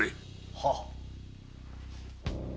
はっ。